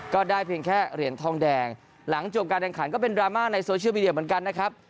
ก็ได้เพียงแค่เหรียญทองแดงหลังจบการแข่งขันก็เป็นดราม่าในโซเชียลมีเดียเหมือนกันนะครับ